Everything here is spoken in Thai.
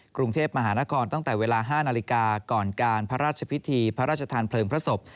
กรุงเทพมหานครตั้งแต่เวลา๕นาฬิกาก่อนการพระราชพิธีพระราชทานเพลิงพระศพ